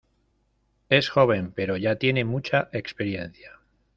Es joven, pero ya tiene mucha experiencia.